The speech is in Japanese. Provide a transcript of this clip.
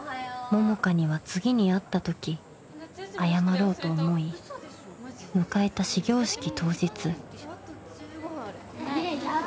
［桃香には次に会ったとき謝ろうと思い迎えた始業式当日］